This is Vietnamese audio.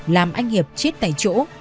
làm anh hiệp chết tại chỗ